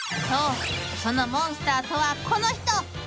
［そうそのモンスターとはこの人］